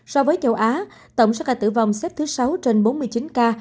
so với châu á tổng số ca tử vong xếp thứ sáu trên bốn mươi chín ca